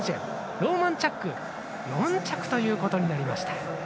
ローマンチャック、４着ということになりました。